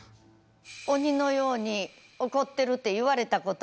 鬼のように怒ってるって言われたことはあります。